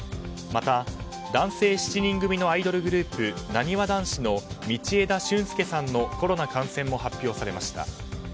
また、男性７人組のアイドルグループなにわ男子の道枝駿佑さんのコロナ感染も発表されました。